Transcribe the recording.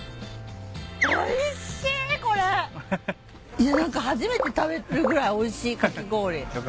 いや何か初めて食べるぐらいおいしいかき氷。よかった。